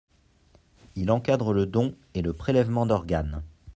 Il encadre le don et le prélèvement d’organes.